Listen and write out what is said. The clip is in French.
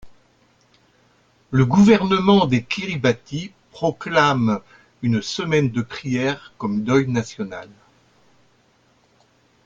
Le gouvernement des Kiribati proclame une semaine de prières comme deuil national.